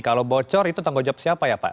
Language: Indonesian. kalau bocor itu tanggung jawab siapa ya pak